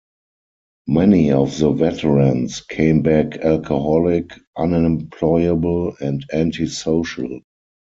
Many of the veterans came back alcoholic, unemployable and antisocial.